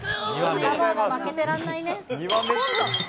サタボーも負けてられないね。